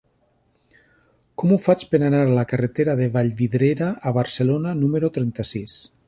Com ho faig per anar a la carretera de Vallvidrera a Barcelona número trenta-sis?